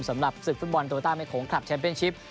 สำหรับสื่อฟุตบอลตรวรรณ์ด้าแม่ของครับเชมป์เป็นชิป